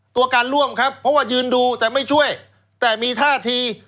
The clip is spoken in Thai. ตัวการร่วมครับเพราะว่ายืนดูแต่ไม่ช่วยแต่มีท่าที